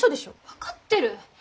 分かってる！